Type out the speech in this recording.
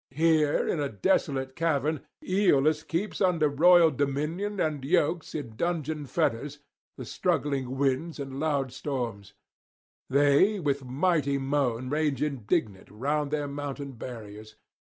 Here in a desolate cavern Aeolus keeps under royal dominion and yokes in [54 85]dungeon fetters the struggling winds and loud storms. They with mighty moan rage indignant round their mountain barriers.